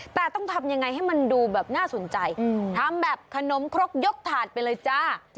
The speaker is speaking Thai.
แต่ต้องทำยังไงให้มันดูแบบน่าสนใจทำแบบขนมครกยกถาดไปเลยจ้า